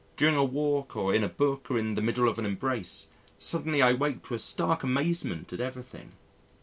During a walk or in a book or in the middle of an embrace, suddenly I awake to a stark amazement at everything.